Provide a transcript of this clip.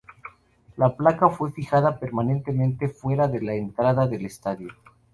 La placa fue fijada permanentemente fuera de la entrada del estadio.